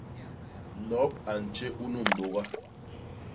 Nop a ntjé unu mbôga.